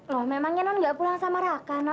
loh memangnya non gak pulang sama raka